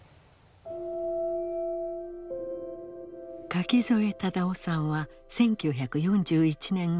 垣添忠生さんは１９４１年生まれ。